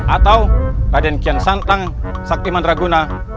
atau raden kian santang saktiman raguna